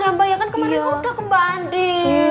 yang bayangkan kemarin udah kembali